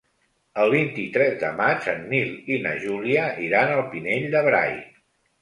El vint-i-tres de maig en Nil i na Júlia iran al Pinell de Brai.